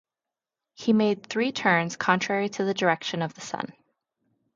He made three turns contrary to the direction of the sun.